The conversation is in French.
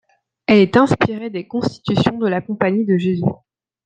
Elle est inspirée des Constitutions de la Compagnie de Jésus.